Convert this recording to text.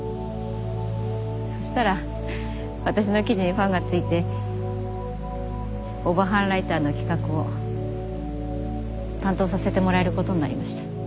そしたら私の記事にファンがついてオバハンライターの企画を担当させてもらえることになりました。